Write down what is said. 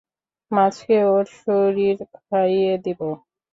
মাছকে ওর শরীর খাইয়ে দিবো।